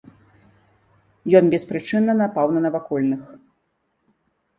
Ён беспрычынна напаў на навакольных.